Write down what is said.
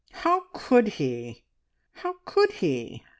"How could he? How could he?"